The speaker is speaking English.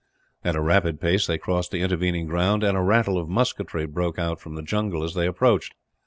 At a rapid pace they crossed the intervening ground, and a rattle of musketry broke out from the jungle as they approached.